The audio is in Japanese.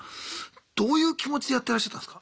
どういう気持ちでやってらっしゃったんすか？